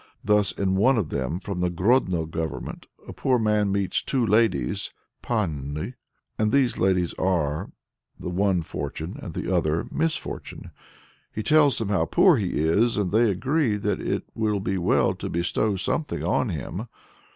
Thus in one of them (from the Grodno Government) a poor man meets "two ladies (pannui), and those ladies are the one Fortune and the other Misfortune." He tells them how poor he is, and they agree that it will be well to bestow something on him.